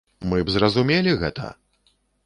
Мы б зразумелі гэта!